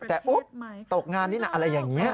แต่อุ๊บตกงานนี่นะอะไรอย่างนี้